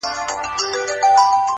گراني چي د ټول كلي ملكه سې _